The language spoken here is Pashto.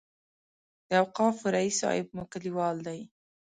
د اوقافو رئیس صاحب مو کلیوال دی.